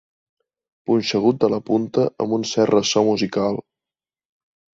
Punxegut de la punta amb un cert ressò musical.